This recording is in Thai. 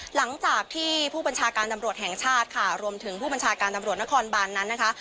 หลังจากที่ผู้บัญชาการตำรวจแห่งชาติค่ะรวมถึงผู้บัญชาการตำรวจนครบานนั้นนะคะ